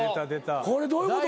これどういうこと？